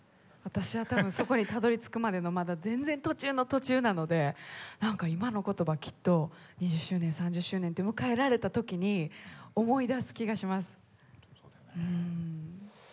私は多分そこにたどりつくまでのまだ全然途中の途中なのでなんか今の言葉きっと２０周年３０周年って迎えられた時に思い出す気がします。